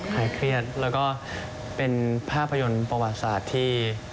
หายเครียดแล้วก็เป็นภาพยนตร์ประวัติศาสตร์ที่